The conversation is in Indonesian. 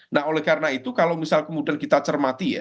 nah oleh karena itu kalau misal kemudian kita cermati ya